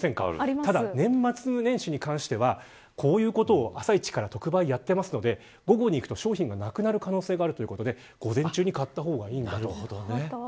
ただ、年末年始に関しては朝一から特売をやっていますので午後に行くと商品がなくなる可能性があるということで午前中に買った方がいいということです。